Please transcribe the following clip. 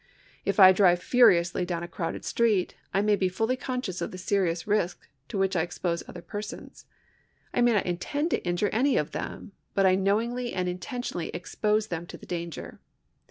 If I drive furiously down a crowded street, I may be fully conscious of the serious risk to which I expose other persons. I may not intend to injure any of them, but I knowingly and intention ally expose them to the danger.